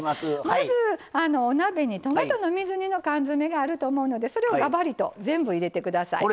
まずお鍋にトマトの水煮の缶詰があると思うのでそれをがばりと全部入れてください。